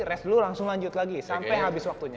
rest dulu langsung lanjut lagi sampai habis waktunya